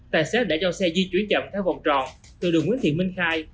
tài xế đã cho xe di chuyển chậm theo vòng tròn từ đường nguyễn thị minh khai